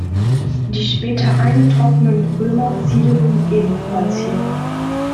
Die später eingetroffenen Römer siedelten ebenfalls hier.